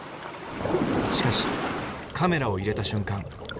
しかしカメラを入れた瞬間